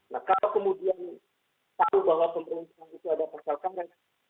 nah kalau kemudian tahu bahwa pemerintahan itu ada pasal karet